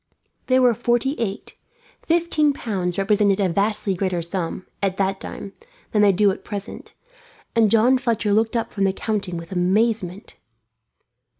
There were forty eight. Fifteen pounds represented a vastly greater sum, at that time, than they do at present; and John Fletcher looked up from the counting with amazement.